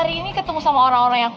rika kamu ketemu rena gak